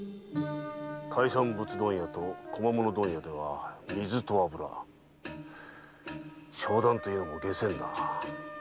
海産物問屋と小間物問屋では「水と油」商談というのも解せぬな。